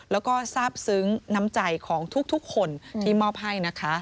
แล้วก็ทราบซึ้งน้ำใจของทุกคนที่มอบให้นะคะ